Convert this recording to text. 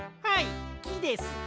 はいきです。